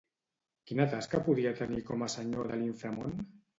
Quina tasca podia tenir com a senyor de l'inframon?